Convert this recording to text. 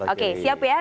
oke siap ya